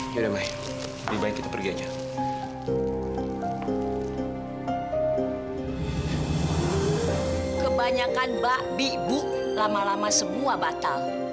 yaudah mai lebih baik kita pergi aja kebanyakan babi ibu lama lama sebuah batal